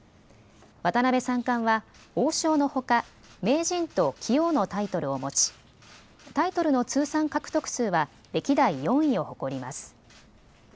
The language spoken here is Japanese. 渡辺三冠は王将のほか名人と棋王のタイトルを持ちタイトルの通算獲得数は歴代４位を誇ります。